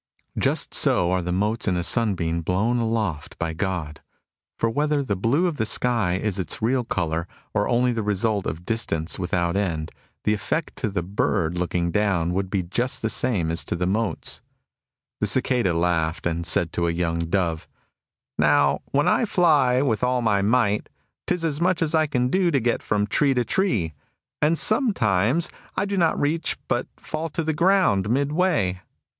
Just so are the motes in a sunbeam blown aloft by God. For whether the blue of the sky is its real colour, or only the result of distance without end, the effect to the bird looking down would be just the same as to the motes. ... A cicada laughed, and said to a young dove, Now, when I fly with all my might, 'tis as much as I can do to get from tree to tree. And sometimes I do not reach, ^ The li is about one third of an English mile. 37 38 MUSINGS OF A CHINESE MYSTIC but fall to the ground midway.